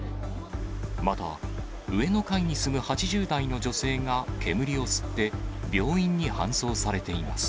また、上の階に住む８０代の女性が煙を吸って病院に搬送されています。